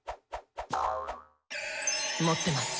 持ってます。